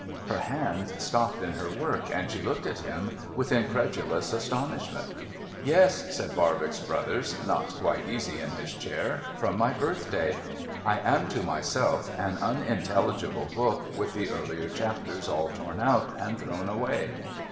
Her hands stopped in her work, and she looked at him with incredulous astonishment. ' Yes,' said Barbox Brothers, not quite easy in his chair, ' from my birthday. I am, to myself, an unintelligible book with the earlier chapters all torn out, and thrown away.